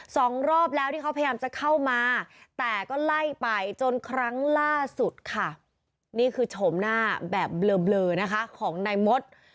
สองรอบแล้วที่เขาพยายามจะเข้ามาแต่ก็ไล่ไปจนครั้งล่าสุดค่ะนี่คือโฉมหน้าแบบเบลอนะคะของนายมด